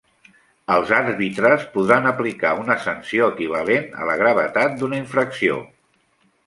Els àrbitres podran aplicar una sanció equivalent a la gravetat d'una infracció.